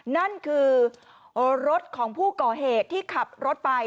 นั่นคือรถของผู้ก่อเหตุที่ขับรถไป